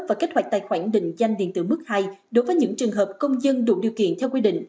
và kích hoạt tài khoản định danh điện tử mức hai đối với những trường hợp công dân đủ điều kiện theo quy định